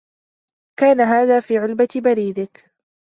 كان هذا في علبة بريدك.